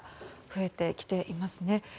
増えてきていますね。